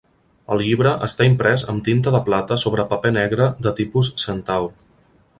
El llibre està imprès amb tinta de plata sobre paper negre de tipus Centaur.